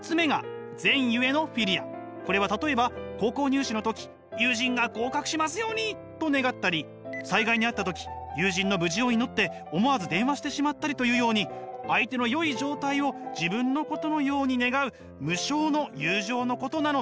これは例えば高校入試の時友人が合格しますようにと願ったり災害に遭った時友人の無事を祈って思わず電話してしまったりというように相手の良い状態を自分のことのように願う無償の友情のことなのです。